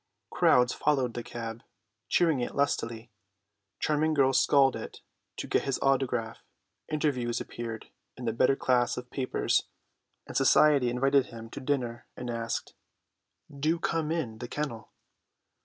Crowds followed the cab, cheering it lustily; charming girls scaled it to get his autograph; interviews appeared in the better class of papers, and society invited him to dinner and added, "Do come in the kennel."